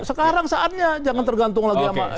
sekarang saatnya jangan tergantung lagi sama